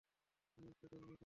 আমি একটা ডর্মে থাকি।